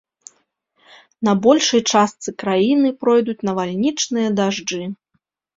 На большай частцы краіны пройдуць навальнічныя дажджы.